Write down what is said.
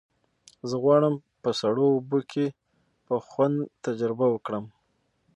زه غواړم په سړو اوبو کې په خوند تجربه وکړم.